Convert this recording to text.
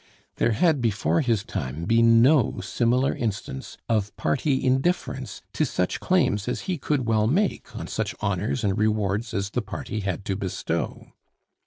There had before his time been no similar instance of party indifference to such claims as he could well make, on such honors and rewards as the party had to bestow.